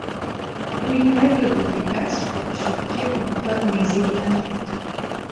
Уи иааира дук игазшәа шьоукгьы рнапқәа наизеинырҟьеит.